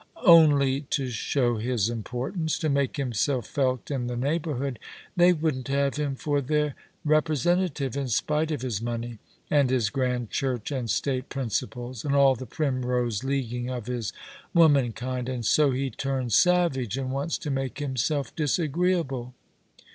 " Only to show his importance — to make himself felt in the neighbourhood. They wouldn't have him for their repre sentative, in spite of his money, and his grand Church and State principles, and all the Primrose Leaguing of his woman kind ; and so he turns savage and wants to make himself disagreeable."